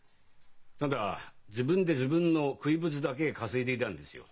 ただ自分で自分の食いぶちだけ稼いでいたんですよ。